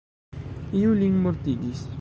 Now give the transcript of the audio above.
Iu lin mortigis!